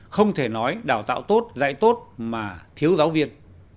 không thể nói đào tạo tốt dạy tốt mà thiếu giáo viên